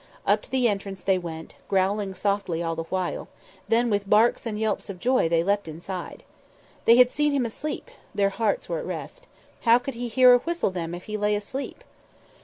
Up to the entrance they went, growling softly all the while; then with barks and yelps of joy they leapt inside. They had seen Him asleep; their hearts were at rest. How could He hear or whistle them if He lay asleep?